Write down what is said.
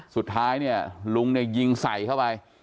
สุดท้ายลุงยิงใส่เข้าไป